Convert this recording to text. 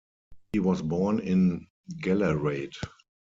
He was born in Gallarate.